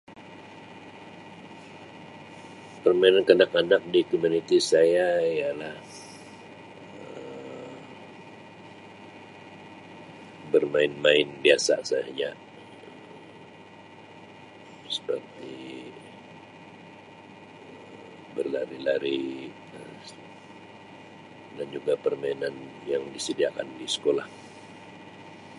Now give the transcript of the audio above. Permainan kanak-kanak di komuniti saya ialah Um bermain main biasa sahaja Um seperti Um berlari-lari Um dan juga permainan yang disediakan di skolah.